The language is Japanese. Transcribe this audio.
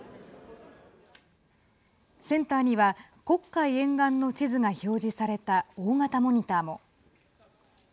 センターには黒海沿岸の地図が表示された大型モニターも。